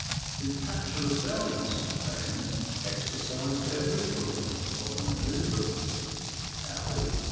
The patulous elms, then, exercised their influence on the manoeuvres. How?